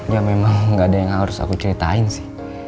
ya memang nggak ada yang harus aku ceritain sih